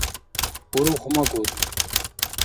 УрухмакӀуд.